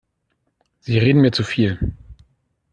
Sie reden mir zu viel.